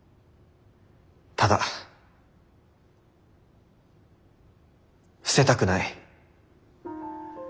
ただ捨てたくない。